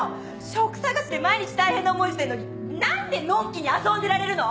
職探しで毎日大変な思いしてんのに何でのんきに遊んでられるの？